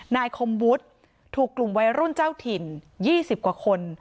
นายคมวุฒิถูกกลุ่มวัยรุ่นเจ้าถิ่น๒๐กว่าคน